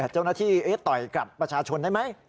เจ้าหน้าที่ต่อยกับประชาชนได้ไหม